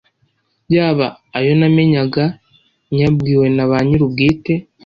yaba ayo namenyaga nyabwiwe na ba nyiri ubwite